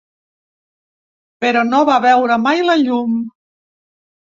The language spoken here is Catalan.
Però no va veure mai la llum.